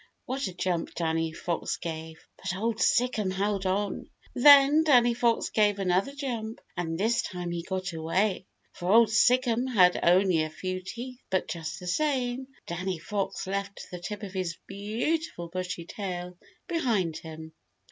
What a jump Danny Fox gave. But Old Sic'em held on. Then Danny Fox gave another jump, and this time he got away, for Old Sic'em had only a few teeth. But just the same, Danny Fox left the tip of his beautiful bushy tail behind him.